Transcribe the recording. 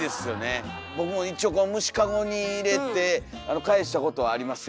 僕も一応虫かごに入れてかえしたことはありますよ。